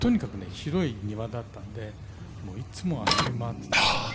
広い庭だったんでいつも遊び回っていたですね。